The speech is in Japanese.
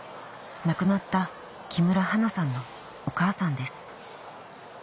亡くなった木村花さんのお母さんです